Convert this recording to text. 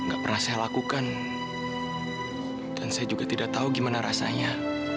dan saya juga tidak tahu gimana rasanya